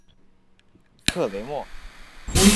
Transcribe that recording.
克雷莫。